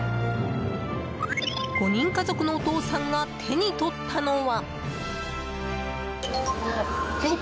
５人家族のお父さんが手に取ったのは。